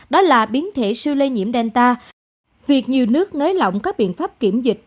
đó là biến thể siêu lây nhiễm delta việc nhiều nước nới lỏng các biện pháp kiểm dịch